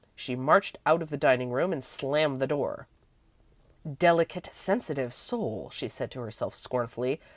She marched out of the dining room and slammed the door. "Delicate, sensitive soul," she said to herself, scornfully.